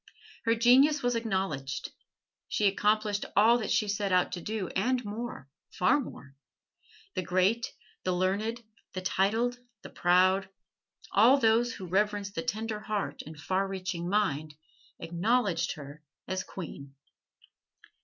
Her genius was acknowledged. She accomplished all that she set out to do and more far more. The great, the learned, the titled, the proud all those who reverence the tender heart and far reaching mind acknowledged her as queen.